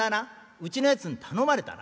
うちのやつに頼まれたな？